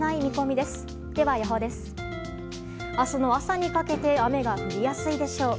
明日の朝にかけて雨が降りやすいでしょう。